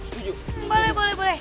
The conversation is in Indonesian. boleh boleh boleh